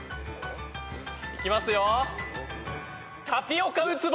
いきますよ！